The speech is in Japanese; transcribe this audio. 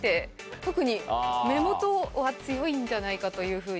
特に目元は強いんじゃないかというふうに。